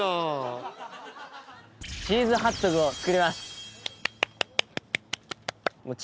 チーズハットグを作ります。